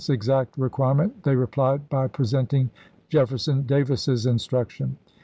President's exact requirement they replied by pre senting Jefferson Davis's instruction.